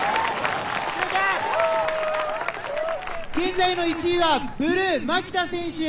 現在の１位はブルー牧田選手。